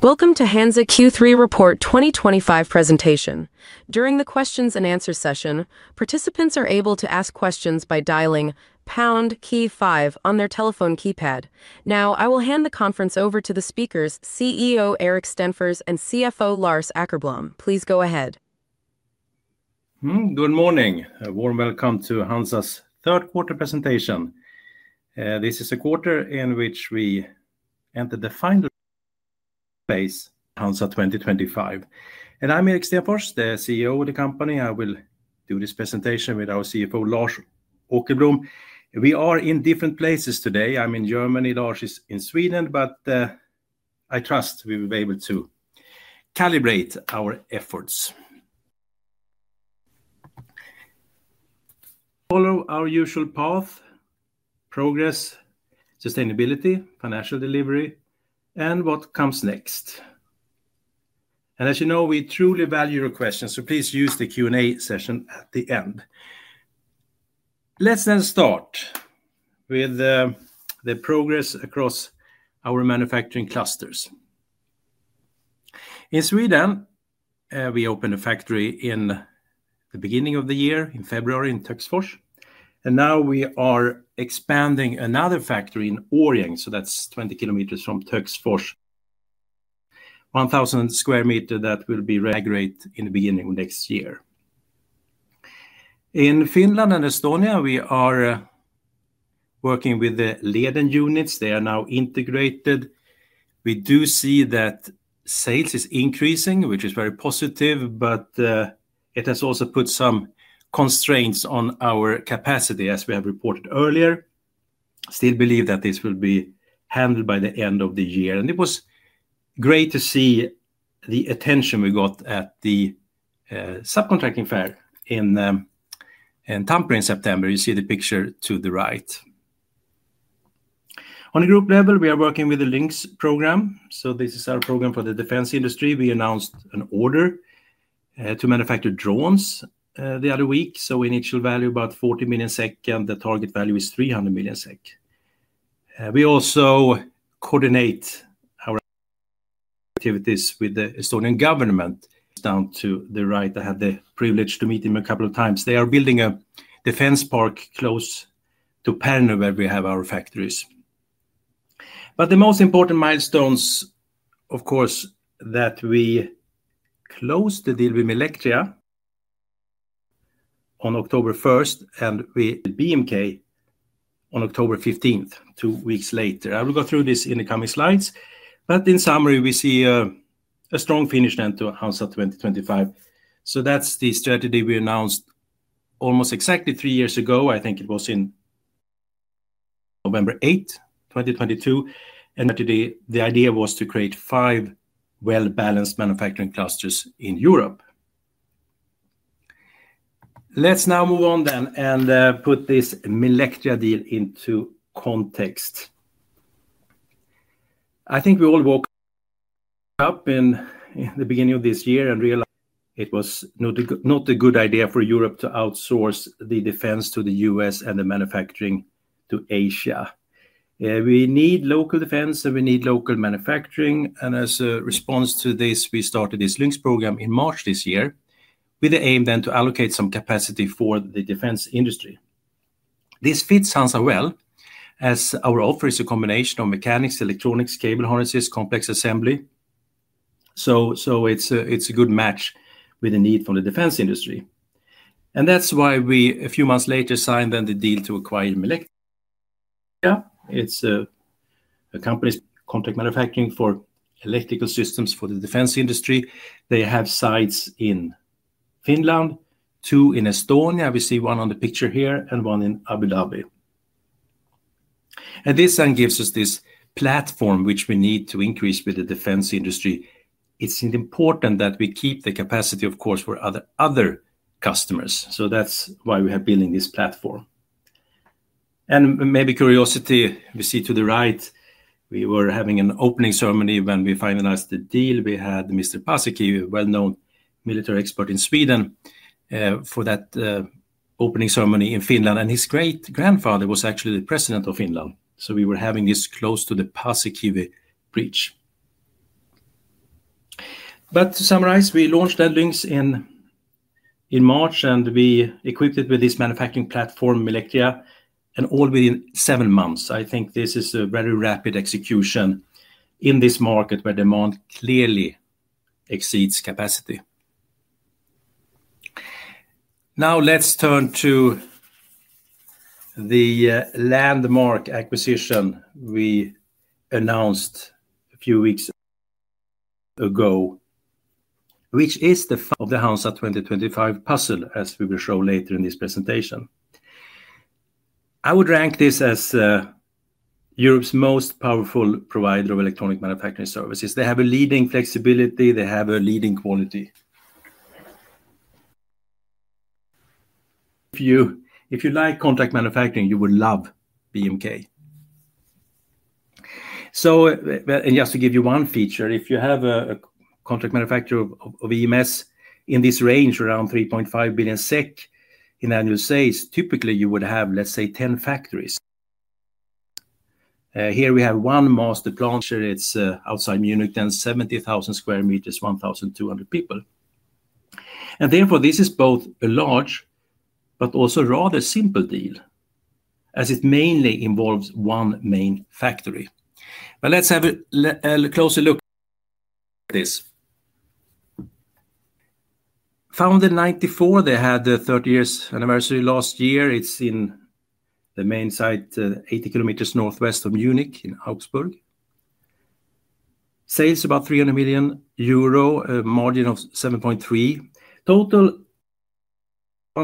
Welcome to HANZA Q3 Report 2025 presentation. During the questions and answers session, participants are able to ask questions by dialing pound key five on their telephone keypad. Now, I will hand the conference over to the speakers, CEO Erik Stenfors and CFO Lars Åkerblom. Please go ahead. Good morning. A warm welcome to HANZA's third quarter presentation. This is a quarter in which we enter the final phase of HANZA 2025. I'm Erik Stenfors, the CEO of the company. I will do this presentation with our CFO, Lars Åkerblom. We are in different places today. I'm in Germany, Lars is in Sweden, but I trust we will be able to calibrate our efforts. We will follow our usual path: progress, sustainability, financial delivery, and what comes next. As you know, we truly value your questions, so please use the Q&A session at the end. Let's start with the progress across our manufacturing clusters. In Sweden, we opened a factory in the beginning of the year, in February, in Töcksfors. Now we are expanding another factory in Årjäng, which is 20 km from Töcksfors. 1,000 sq m that will be ready to migrate in the beginning of next year. In Finland and Estonia, we are working with the Leiden units. They are now integrated. We do see that sales are increasing, which is very positive, but it has also put some constraints on our capacity, as we have reported earlier. I still believe that this will be handled by the end of the year. It was great to see the attention we got at the subcontracting fair in Tampere in September. You see the picture to the right. On a group level, we are working with the LINX program. This is our program for the defense industry. We announced an order to manufacture drones the other week. Initial value about 40 million SEK, and the target value is 300 million SEK. We also coordinate our activities with the Estonian government. Down to the right, I had the privilege to meet him a couple of times. They are building a defense park close to Pärnu, where we have our factories. The most important milestones, of course, are that we closed the deal with Milectria on October 1st, and we closed with BMK on October 15th, two weeks later. I will go through this in the coming slides. In summary, we see a strong finish to HANZA 2025. That's the strategy we announced almost exactly three years ago. I think it was on November 8, 2022. The idea was to create five well-balanced manufacturing clusters in Europe. Let's now move on and put this Milectria deal into context. I think we all woke up in the beginning of this year and realized it was not a good idea for Europe to outsource the defense to the U.S. and the manufacturing to Asia. We need local defense and we need local manufacturing. As a response to this, we started this LINX program in March this year with the aim then to allocate some capacity for the defense industry. This fits HANZA well, as our offer is a combination of mechanics, electronics, cable harnesses, complex assembly. It's a good match with the need for the defense industry. That's why we, a few months later, signed the deal to acquire Milectria. It's a company that contracts manufacturing for electrical systems for the defense industry. They have sites in Finland, two in Estonia. We see one on the picture here and one in Abu Dhabi. This then gives us this platform which we need to increase with the defense industry. It's important that we keep the capacity, of course, for other customers. That's why we are building this platform. Maybe curiosity, we see to the right, we were having an opening ceremony when we finalized the deal. We had Mr. Paasikivi, a well-known military expert in Sweden, for that opening ceremony in Finland. His great-grandfather was actually the president of Finland. We were having this close to the Paasikivi bridge. To summarize, we launched LINX in March and we equipped it with this manufacturing platform, Milectria, and all within seven months. I think this is a very rapid execution in this market where demand clearly exceeds capacity. Now let's turn to the landmark acquisition we announced a few weeks ago, which is the foundation of the HANZA 2025 puzzle, as we will show later in this presentation. I would rank this as Europe's most powerful provider of electronic manufacturing services. They have a leading flexibility. They have a leading quality. If you like contract manufacturing, you would love BMK. Just to give you one feature, if you have a contract manufacturer of EMS in this range, around 3.5 billion SEK in annual sales, typically you would have, let's say, 10 factories. Here we have one master plant. It's outside Munich, 70,000 sq m, 1,200 people. Therefore, this is both a large but also rather simple deal as it mainly involves one main factory. Let's have a closer look at this. Founded in 1994, they had the 30-year anniversary last year. It's in the main site, 80 km northwest of Munich in Augsburg. Sales about 300 million euro, a margin of 7.3%. Total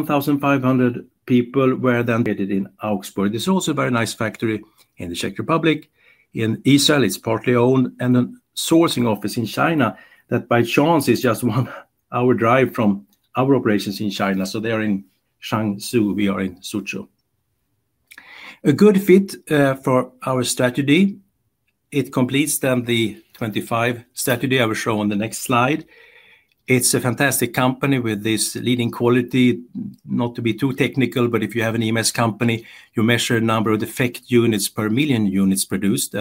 1,500 people were then located in Augsburg. It's also a very nice factory in the Czech Republic. In Israel, it's partly owned. A sourcing office in China that, by chance, is just a one-hour drive from our operations in China. They are in Shangzhi, we are in Suzhou. A good fit for our strategy. It completes the 2025 strategy I will show on the next slide. It's a fantastic company with this leading quality, not to be too technical, but if you have an EMS company, you measure the number of defect units per million units produced.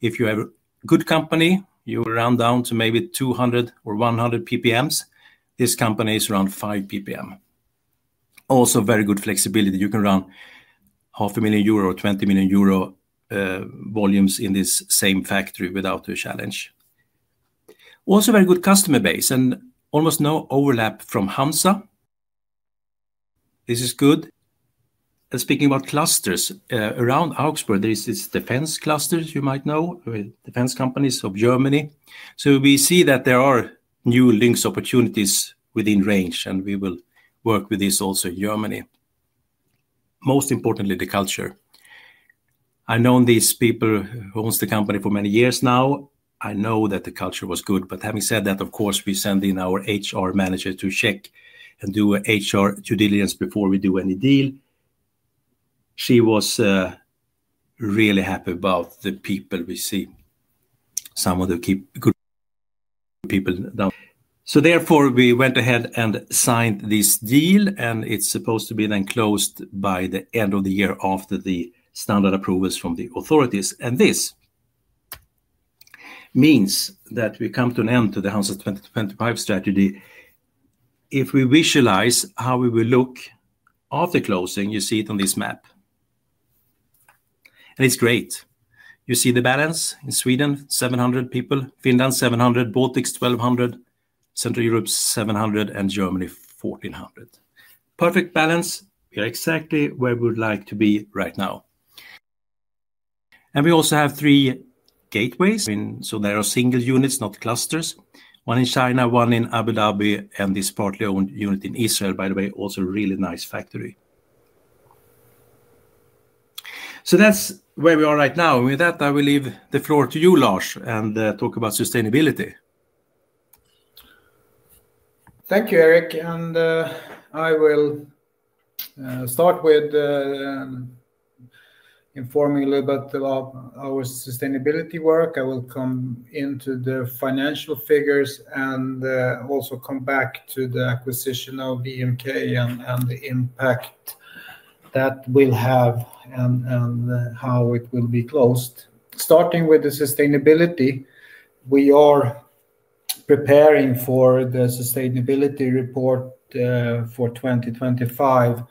If you have a good company, you will run down to maybe 200 PPMs or 100 PPMs. This company is around 5 PPM. Also, very good flexibility. You can run 500,000 euro or 20 million euro volumes in this same factory without a challenge. Also, a very good customer base and almost no overlap from HANZA. This is good. Speaking about clusters, around Augsburg, there are these defense clusters, you might know, with defense companies of Germany. We see that there are new LINX opportunities within range, and we will work with this also in Germany. Most importantly, the culture. I know these people who own the company for many years now. I know that the culture was good. Having said that, of course, we send in our HR Manager to check and do HR due diligence before we do any deal. She was really happy about the people we see. Some of the good people down. Therefore, we went ahead and signed this deal, and it's supposed to be closed by the end of the year after the standard approvals from the authorities. This means that we come to an end to the HANZA 2025 strategy. If we visualize how we will look after closing, you see it on this map. It's great. You see the balance in Sweden, 700 people, Finland, 700, Baltics, 1,200, Central Europe, 700, and Germany, 1,400. Perfect balance. We are exactly where we would like to be right now. We also have three gateways. They are single units, not clusters. One in China, one in Abu Dhabi, and this partly owned unit in Israel, by the way, also a really nice factory. That's where we are right now. With that, I will leave the floor to you, Lars, and talk about sustainability. Thank you, Erik. I will start with informing a little bit about our sustainability work. I will come into the financial figures and also come back to the acquisition of BMK and the impact that we'll have and how it will be closed. Starting with the sustainability, we are preparing for the sustainability report for 2025,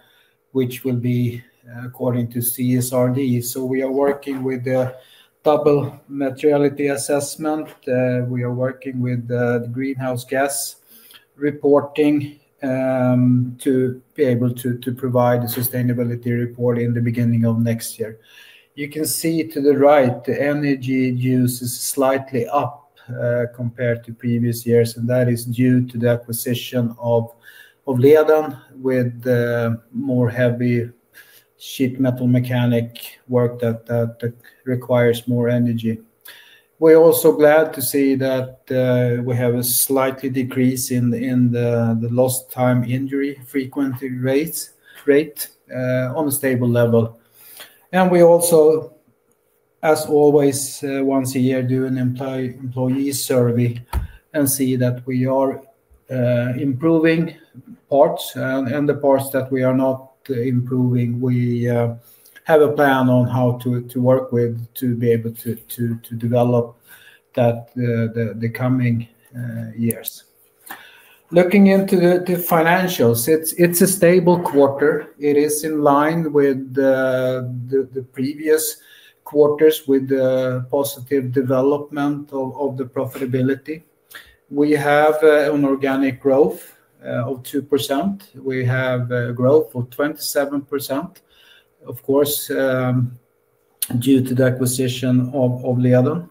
which will be according to CSRD. We are working with the double materiality assessment. We are working with the greenhouse gas reporting to be able to provide a sustainability report in the beginning of next year. You can see to the right, the energy use is slightly up compared to previous years, and that is due to the acquisition of Leiden with the more heavy sheet metal mechanic work that requires more energy. We're also glad to see that we have a slight decrease in the lost time injury frequency rate on a stable level. We also, as always, once a year, do an employee survey and see that we are improving parts. The parts that we are not improving, we have a plan on how to work with to be able to develop that the coming years. Looking into the financials, it's a stable quarter. It is in line with the previous quarters with the positive development of the profitability. We have an organic growth of 2%. We have a growth of 27%, of course, due to the acquisition of Leiden.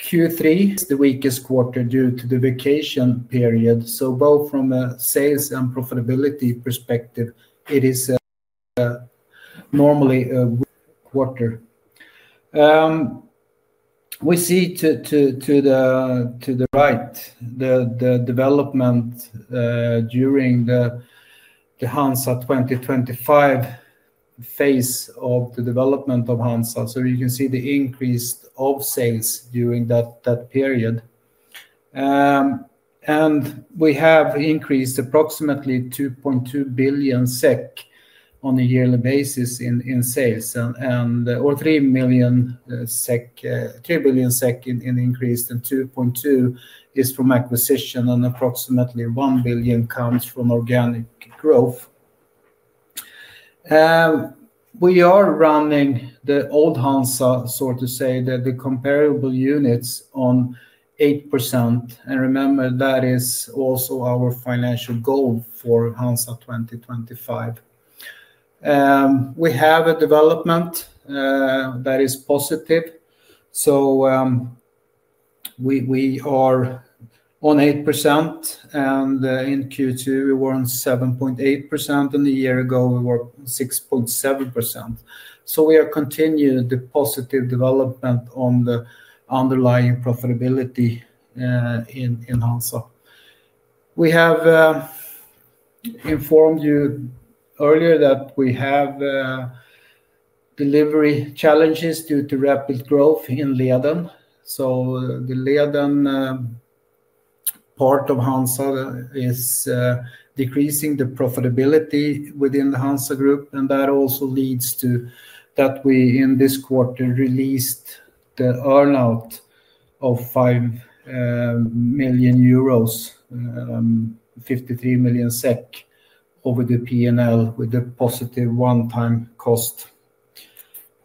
Q3, the weakest quarter due to the vacation period. Both from a sales and profitability perspective, it is normally a weak quarter. We see to the right the development during the HANZA 2025 phase of the development of HANZA. You can see the increase of sales during that period. We have increased approximately 2.2 billion SEK on a yearly basis in sales. 3 billion SEK increased in 2.2 billion is from acquisition, and approximately 1 billion comes from organic growth. We are running the old HANZA, so to say, the comparable units on 8%. Remember, that is also our financial goal for HANZA 2025. We have a development that is positive. We are on 8%. In Q2, we were on 7.8%. A year ago, we were on 6.7%. We are continuing the positive development on the underlying profitability in HANZA. We have informed you earlier that we have delivery challenges due to rapid growth in Leiden. The Leiden part of HANZA is decreasing the profitability within the HANZA group. That also leads to that we, in this quarter, released the earnout of 5 million euros, 53 million SEK over the P&L with a positive one-time cost.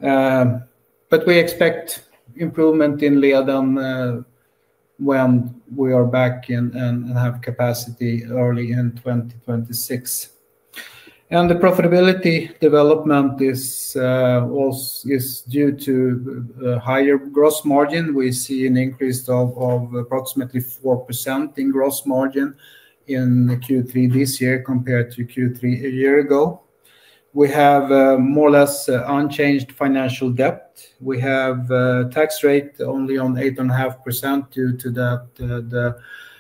We expect improvement in Leiden when we are back and have capacity early in 2026. The profitability development is due to a higher gross margin. We see an increase of approximately 4% in gross margin in Q3 this year compared to Q3 a year ago. We have more or less unchanged financial debt. We have a tax rate only on 8.5% due to that the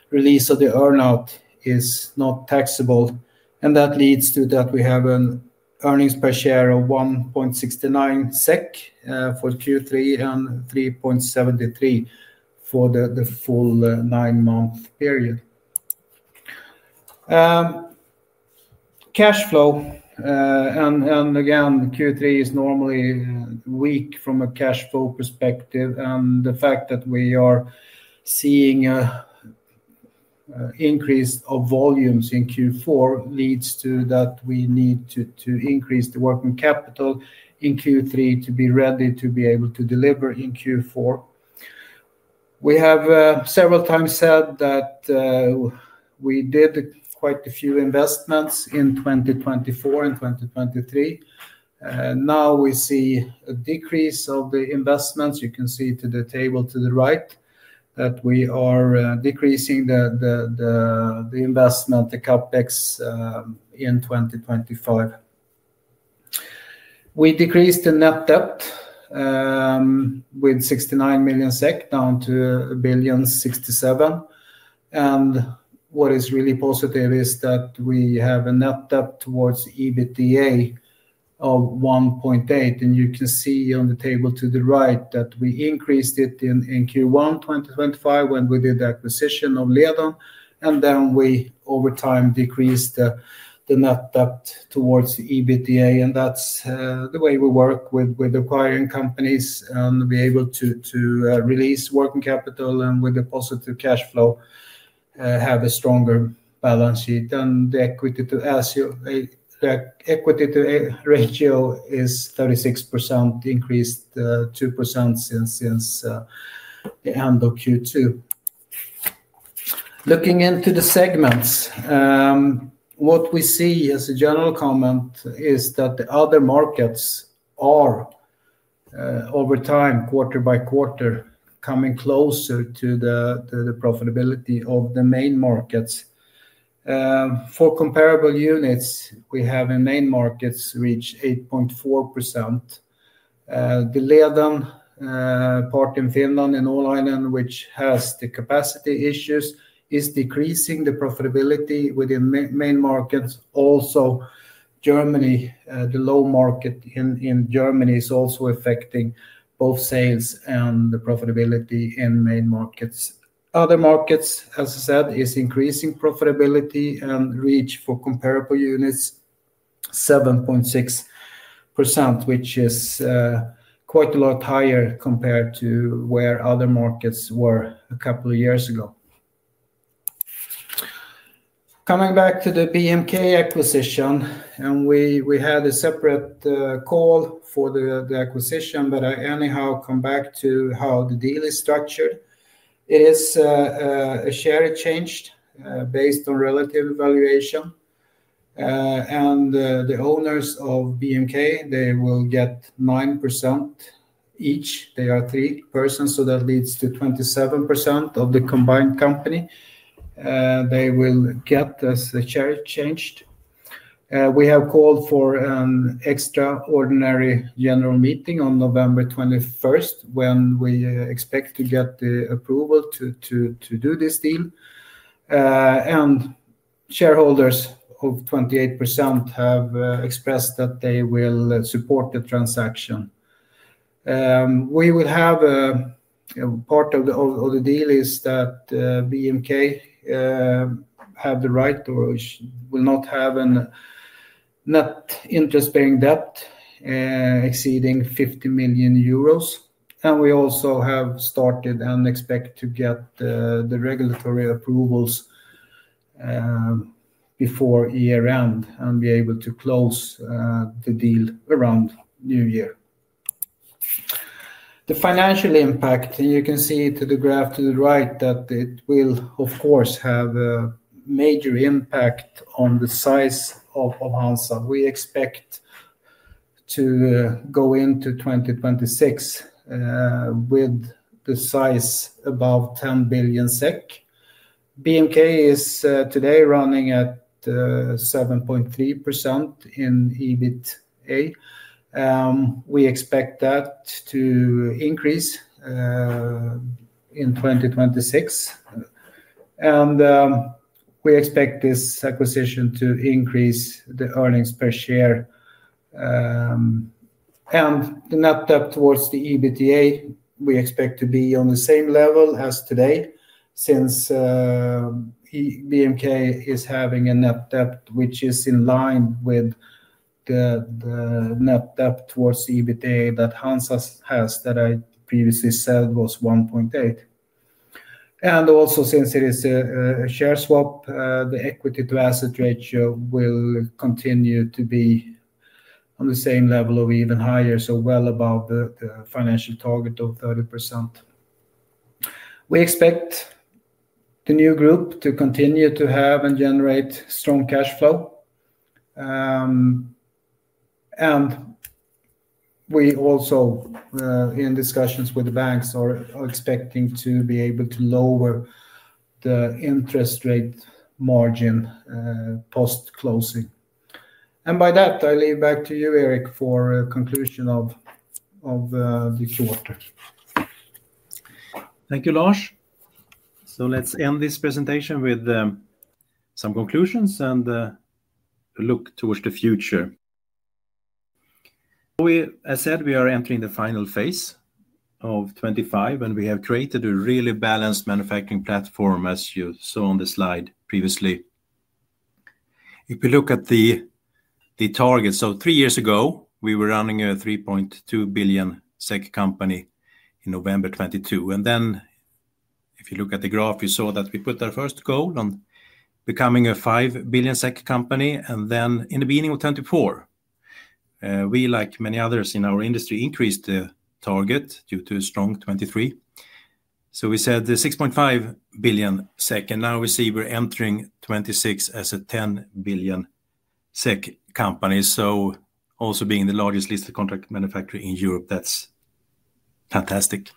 release of the earnout is not taxable. That leads to that we have an earnings per share of 1.69 SEK for Q3 and 3.73 for the full nine-month period. Cash flow. Q3 is normally weak from a cash flow perspective. The fact that we are seeing an increase of volumes in Q4 leads to that we need to increase the working capital in Q3 to be ready to be able to deliver in Q4. We have several times said that we did quite a few investments in 2024 and 2023. Now we see a decrease of the investments. You can see in the table to the right that we are decreasing the investment, the CapEx, in 2025. We decreased the net debt by 69 million SEK down to 1.67 billion. What is really positive is that we have a net debt/EBITDA ratio of 1.8. You can see on the table to the right that we increased it in Q1 2025 when we did the acquisition of Leiden. Over time, we decreased the net debt/EBITDA ratio. That's the way we work with acquiring companies and being able to release working capital. With a positive cash flow, we have a stronger balance sheet. The equity-to-asset ratio is 36%, increased 2% since the end of Q2. Looking into the segments, what we see as a general comment is that the other markets are, over time, quarter by quarter, coming closer to the profitability of the main markets. For comparable units, we have in main markets reached 8.4%. The Leiden part in Finland, in Åland, which has the capacity issues, is decreasing the profitability within main markets. Also, the low market in Germany is affecting both sales and the profitability in main markets. Other markets, as I said, are increasing profitability and reach for comparable units 7.6%, which is quite a lot higher compared to where other markets were a couple of years ago. Coming back to the BMK acquisition, we had a separate call for the acquisition, but I anyhow come back to how the deal is structured. It is a share exchange based on relative valuation. The owners of BMK, they will get 9% each. They are three persons, so that leads to 27% of the combined company they will get as the share exchanged. We have called for an extraordinary general meeting on November 21st when we expect to get the approval to do this deal. Shareholders of 28% have expressed that they will support the transaction. A part of the deal is that BMK has the right or will not have a net interest-bearing debt exceeding 50 million euros. We also have started and expect to get the regulatory approvals before year-end and be able to close the deal around New Year. The financial impact, and you can see in the graph to the right that it will, of course, have a major impact on the size of HANZA. We expect to go into 2026 with the size above 10 billion SEK. BMK is today running at 7.3% in EBITDA. We expect that to increase in 2026. We expect this acquisition to increase the earnings per share. The net debt/EBITDA, we expect to be on the same level as today since BMK is having a net debt which is in line with the net debt/EBITDA that HANZA has that I previously said was 1.8. Also, since it is a share exchange, the equity-to-asset ratio will continue to be on the same level or even higher, so well above the financial target of 30%. We expect the new group to continue to have and generate strong cash flow. We also, in discussions with the banks, are expecting to be able to lower the interest rate margin post-closing. By that, I leave back to you, Erik, for the conclusion of the quarter. Thank you, Lars. Let's end this presentation with some conclusions and look towards the future. As I said, we are entering the final phase of 2025, and we have created a really balanced manufacturing platform, as you saw on the slide previously. If we look at the targets, three years ago, we were running a 3.2 billion SEK company in November 2022. If you look at the graph, you saw that we put our first goal on becoming a 5 billion SEK company. In the beginning of 2024, we, like many others in our industry, increased the target due to a strong 2023. We said 6.5 billion SEK. Now we see we're entering 2026 as a 10 billion SEK company, also being the largest listed contract manufacturer in Europe. That's fantastic.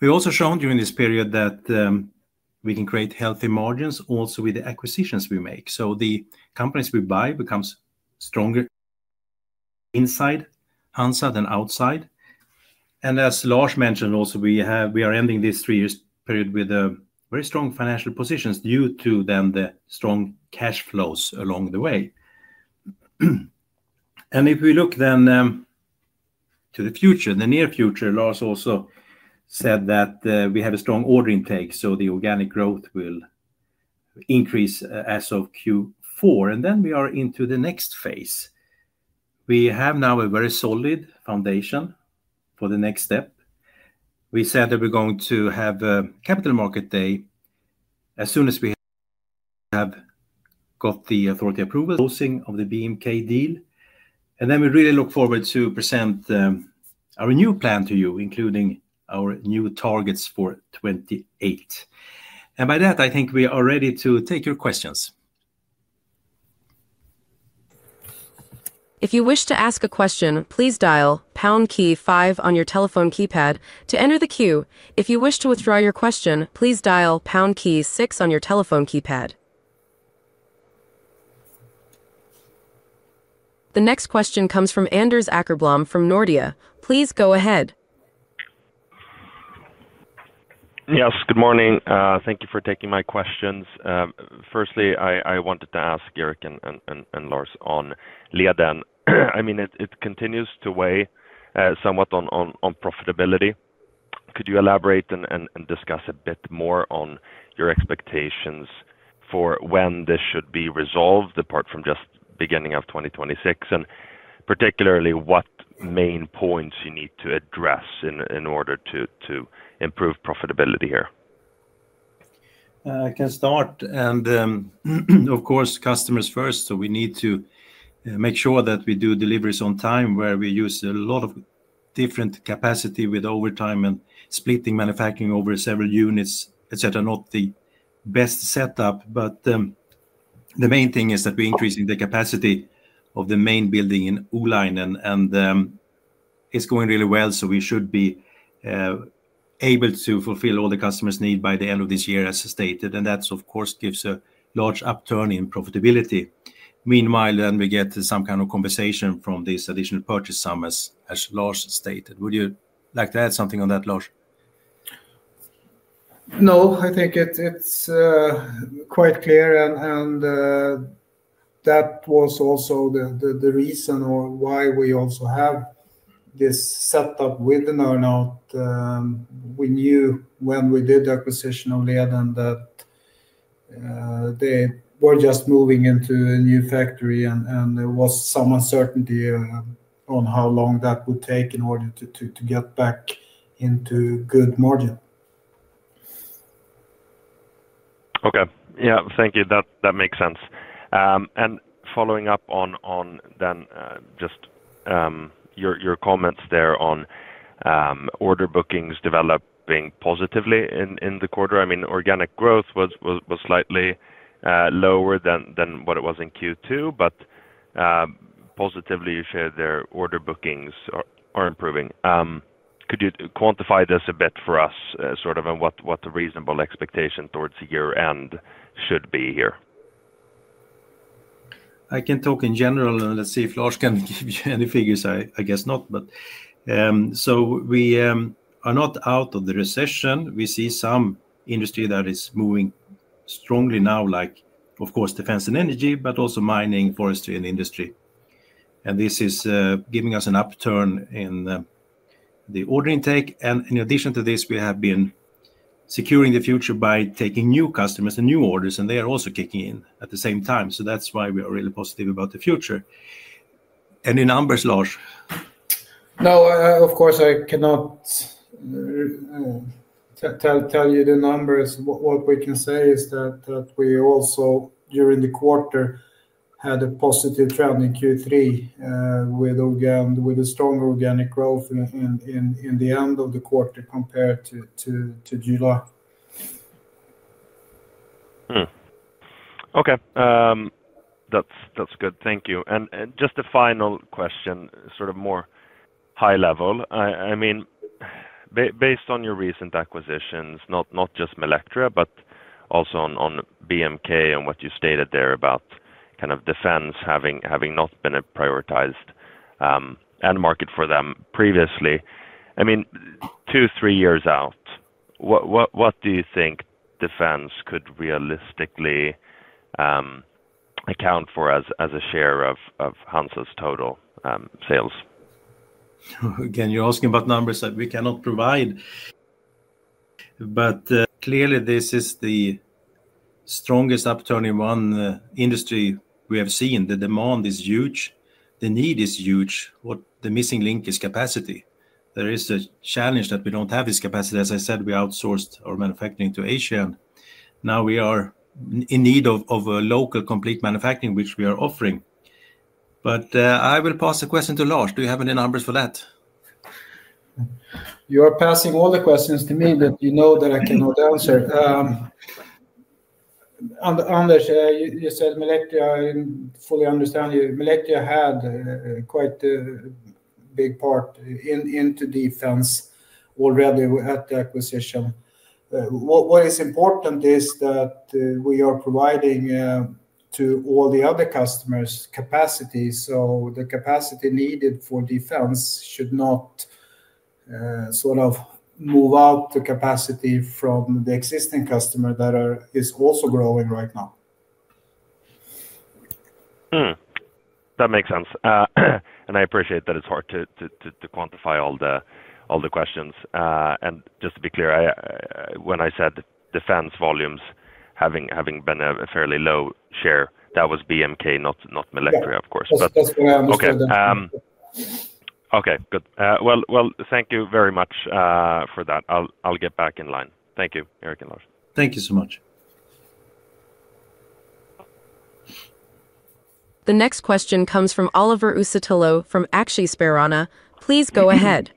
We've also shown during this period that we can create healthy margins also with the acquisitions we make. The companies we buy become stronger inside HANZA than outside. As Lars mentioned, we are ending this three-year period with very strong financial positions due to the strong cash flows along the way. If we look to the future, the near future, Lars also said that we have a strong order intake, so the organic growth will increase as of Q4. We are into the next phase. We have now a very solid foundation for the next step. We said that we're going to have a capital market day as soon as we have got the authority approval, closing of the BMK deal. We really look forward to present our new plan to you, including our new targets for 2028. By that, I think we are ready to take your questions. If you wish to ask a question, please dial pound key five on your telephone keypad to enter the queue. If you wish to withdraw your question, please dial pound key six on your telephone keypad. The next question comes from Anders Åkerblom from Nordea. Please go ahead. Yes, good morning. Thank you for taking my questions. Firstly, I wanted to ask Erik and Lars on Leiden. I mean, it continues to weigh somewhat on profitability. Could you elaborate and discuss a bit more on your expectations for when this should be resolved, apart from just the beginning of 2026, and particularly what main points you need to address in order to improve profitability here? I can start. Of course, customers first. We need to make sure that we do deliveries on time, where we use a lot of different capacity with overtime and splitting manufacturing over several units, etc. Not the best setup, but the main thing is that we're increasing the capacity of the main building in Oulainen. It's going really well, so we should be able to fulfill all the customers' needs by the end of this year, as stated. That, of course, gives a large upturn in profitability. Meanwhile, we get some kind of compensation from this additional purchase sum, as Lars stated. Would you like to add something on that, Lars? No, I think it's quite clear. That was also the reason why we also have this setup with an earnout. We knew when we did the acquisition of Leiden that they were just moving into a new factory, and there was some uncertainty on how long that would take in order to get back into good margin. Okay. Yeah, thank you. That makes sense. Following up on just your comments there on order bookings developing positively in the quarter, organic growth was slightly lower than what it was in Q2, but positively you shared their order bookings are improving. Could you quantify this a bit for us, sort of, and what the reasonable expectation towards the year-end should be here? I can talk in general, and let's see if Lars can give you any figures. I guess not, but we are not out of the recession. We see some industry that is moving strongly now, like, of course, defense and energy, but also mining, forestry, and industry. This is giving us an upturn in the order intake. In addition to this, we have been securing the future by taking new customers and new orders, and they are also kicking in at the same time. That's why we are really positive about the future. Any numbers, Lars? No, of course, I cannot tell you the numbers. What we can say is that we also, during the quarter, had a positive trend in Q3 with a stronger organic growth in the end of the quarter compared to July. Okay. That's good. Thank you. Just a final question, sort of more high level. I mean, based on your recent acquisitions, not just Milectria but also on BMK and what you stated there about kind of defense having not been a prioritized end market for them previously, I mean, two, three years out, what do you think defense could realistically account for as a share of HANZA's total sales? Again, you're asking about numbers that we cannot provide. Clearly, this is the strongest upturn in one industry we have seen. The demand is huge. The need is huge. What the missing link is capacity. There is a challenge that we don't have this capacity. As I said, we outsourced our manufacturing to Asia. Now we are in need of a local complete manufacturing, which we are offering. I will pass the question to Lars. Do you have any numbers for that? You are passing all the questions to me that you know that I cannot answer. Anders, you said Milectria. I fully understand you. Milectria had quite a big part into defense already at the acquisition. What is important is that we are providing to all the other customers capacity. The capacity needed for defense should not sort of move out the capacity from the existing customer that is also growing right now. That makes sense. I appreciate that it's hard to quantify all the questions. Just to be clear, when I said defense volumes having been a fairly low share, that was BMK, not Milectria, of course. That's what I understood. Okay. Good. Thank you very much for that. I'll get back in line. Thank you, Erik and Lars. Thank you so much. The next question comes from Oliver Uusitalo from Aktiespararna. Please go ahead.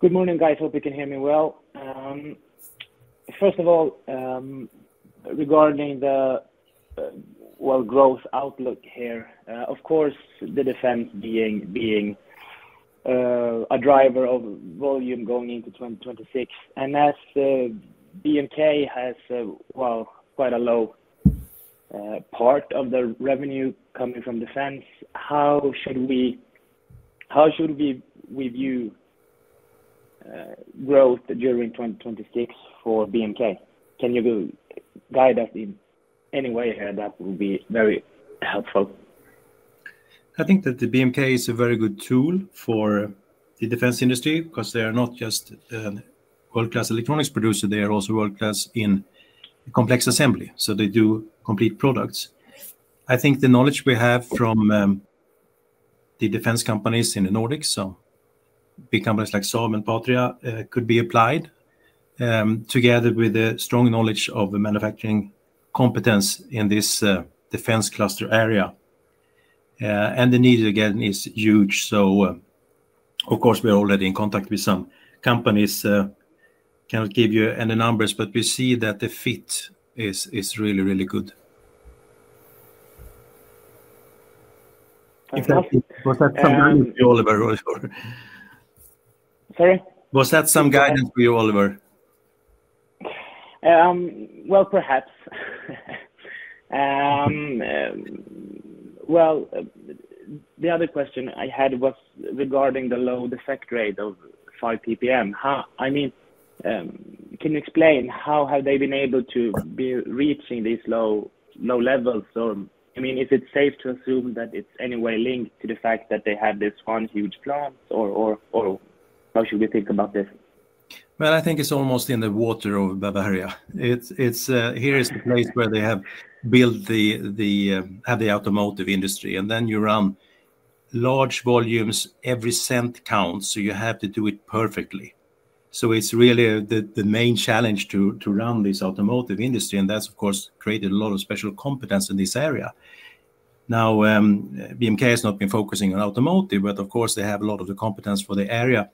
Good morning, guys. Hope you can hear me well. First of all, regarding the growth outlook here, of course, the defense being a driver of volume going into 2026. As BMK has quite a low part of the revenue coming from defense, how should we view growth during 2026 for BMK? Can you guide us in any way here? That would be very helpful. I think that BMK is a very good tool for the defense industry because they are not just a world-class electronics producer. They are also world-class in complex assembly, so they do complete products. I think the knowledge we have from the defense companies in the Nordics, big companies like Saab and Patria, could be applied together with a strong knowledge of manufacturing competence in this defense cluster area. The need again is huge. We are already in contact with some companies. I cannot give you any numbers, but we see that the fit is really, really good. Was that some guidance for you, Oliver? Sorry? Was that some guidance for you, Oliver? The other question I had was regarding the low defect rate of 5 PPM. I mean, can you explain how have they been able to be reaching these low levels? I mean, is it safe to assume that it's anyway linked to the fact that they had this one huge plant? How should we think about this? I think it's almost in the water of Bavaria. Here is the place where they have built the automotive industry. You run large volumes, every cent counts, so you have to do it perfectly. It's really the main challenge to run this automotive industry. That's, of course, created a lot of special competence in this area. Now, BMK has not been focusing on automotive, but of course, they have a lot of the competence for the area.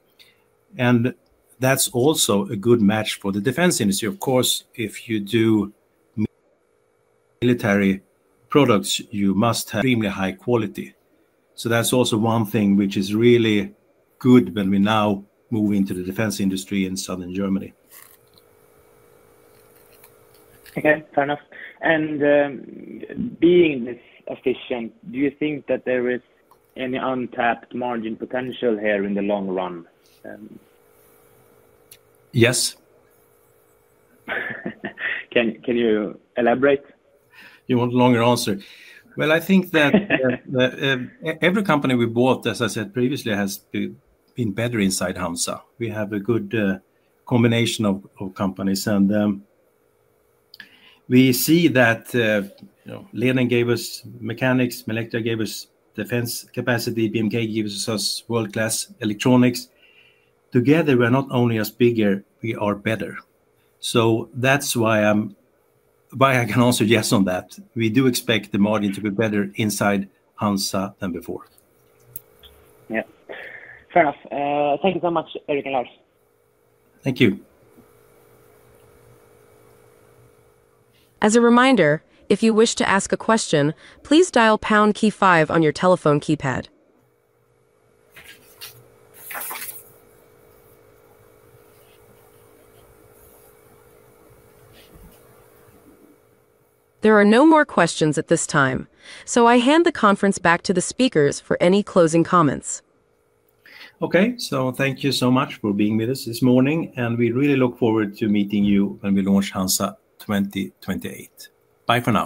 That's also a good match for the defense industry. Of course, if you do military products, you must have extremely high quality. That's also one thing which is really good when we now move into the defense industry in southern Germany. Fair enough. Being this efficient, do you think that there is any untapped margin potential here in the long run? Yes. Can you elaborate? You want a longer answer? I think that every company we bought, as I said previously, has been better inside HANZA. We have a good combination of companies. We see that Leiden gave us mechanics, Milectria gave us defense capacity, BMK gives us world-class electronics. Together, we are not only bigger, we are better. That's why I can answer yes on that. We do expect the margin to be better inside HANZA than before. Yeah, fair enough. Thank you so much, Erik and Lars. Thank you. As a reminder, if you wish to ask a question, please dial pound key five on your telephone keypad. There are no more questions at this time. I hand the conference back to the speakers for any closing comments. Thank you so much for being with us this morning. We really look forward to meeting you when we launch HANZA 2028. Bye for now.